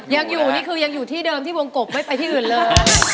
ยังอยู่นี่คือยังอยู่ที่เดิมที่วงกบไม่ไปที่อื่นเลย